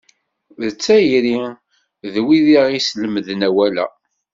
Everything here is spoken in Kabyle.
Deg tayri, d wid i aɣ-islemden awal-a.